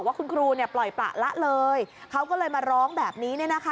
ว่าคุณครูปล่อยประละเลยเขาก็เลยมาร้องแบบนี้